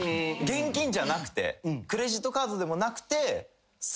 現金じゃなくてクレジットカードでもなくて。